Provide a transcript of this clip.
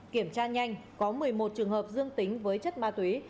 kiểm tra nhanh có một mươi một trường hợp dương tính với chất ma túy